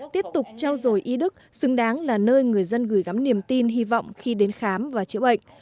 tiếp tục trao dồi y đức xứng đáng là nơi người dân gửi gắm niềm tin hy vọng khi đến khám và chữa bệnh